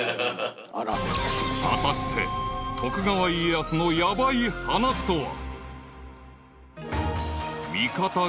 ［果たして徳川家康のヤバい話とは］